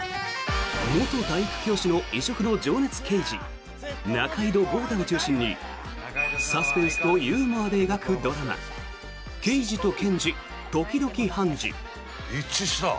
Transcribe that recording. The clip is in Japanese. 元体育教師の異色の情熱刑事仲井戸豪太を中心にサスペンスとユーモアで描くドラマ「ケイジとケンジ、時々ハンジ。」。